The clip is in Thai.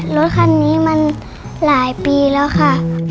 รถคันนี้มันหลายปีแล้วค่ะ